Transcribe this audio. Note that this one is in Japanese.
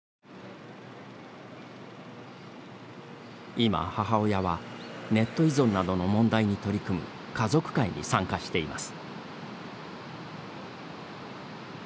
今、母親はネット依存などの問題に取り組む家族会に参加しています。